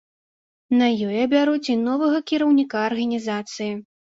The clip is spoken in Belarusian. На ёй абяруць і новага кіраўніка арганізацыі.